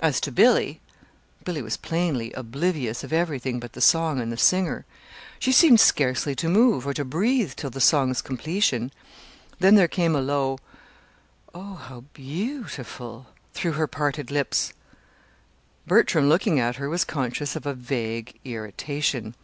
As to Billy Billy was plainly oblivious of everything but the song and the singer. She seemed scarcely to move or to breathe till the song's completion; then there came a low "Oh, how beautiful!" through her parted lips. Bertram, looking at her, was conscious of a vague irritation.